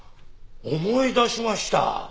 思い出しました。